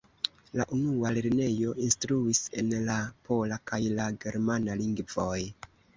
La unua lernejo instruis en la pola kaj la germana lingvoj.